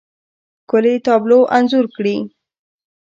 ښکلې، تابلو انځور کړي